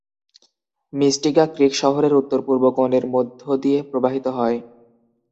মিস্টিগা ক্রিক শহরের উত্তর-পূর্ব কোণের মধ্য দিয়ে প্রবাহিত হয়।